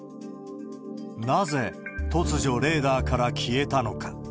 なぜ突如レーダーから消えたのか。